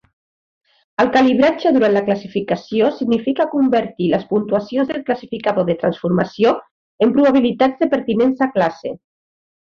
El calibratge durant la classificació significa convertir les puntuacions del classificador de transformació en probabilitats de pertinença a classe.